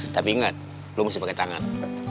tapi inget lo masih pakai tangan